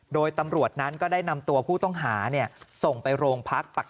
โดยตำรวจนั้นก็ได้นำตัวผู้ต้องหาส่งไปโรงพัก